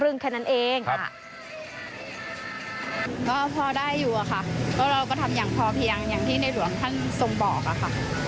เราก็ทำอย่างพอเพียงอย่างที่ในหลวงท่านทรงบอกค่ะ